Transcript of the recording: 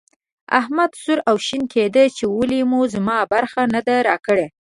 احمد سور او شين کېدی چې ولې مو زما برخه نه ده راکړې.